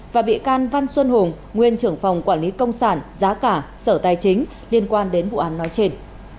và bị can văn xuân hùng nguyên trưởng phòng quản lý công sản giá cả sở tài chính liên quan đến vụ án nói trên